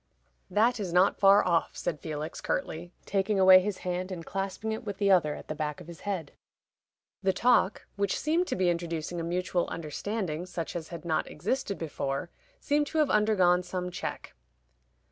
"That is not far off," said Felix, curtly, taking away his hand, and clasping it with the other at the back of his head. The talk, which seemed to be introducing a mutual understanding, such as had not existed before, seemed to have undergone some check.